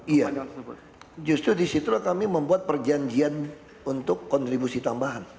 iya justru disitulah kami membuat perjanjian untuk kontribusi tambahan